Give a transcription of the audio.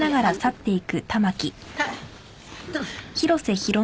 はい。